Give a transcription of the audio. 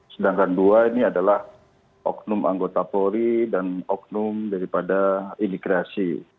sedangkan dua ini adalah oknum anggota polri dan oknum daripada imigrasi